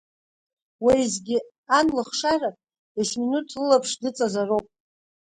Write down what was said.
Уеизгьы, ан лыхшара есминуҭ лылаԥш дыҵазароуп.